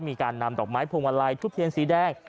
มีการนำดอกไม้โพงวัลลายชุบเพียรกแสดง